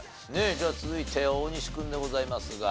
じゃあ続いて大西君でございますが。